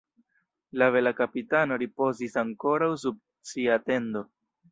La bela kapitano ripozis ankoraŭ sub sia tendo.